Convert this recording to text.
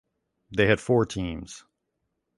They had four teams.